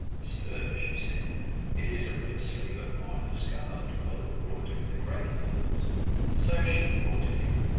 Sir, she said, it is a red sleeve of mine, of scarlet, well embroidered with great pearls: and so she brought it him.